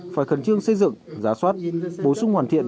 phải khẩn trương xây dựng giá soát bổ sung hoàn thiện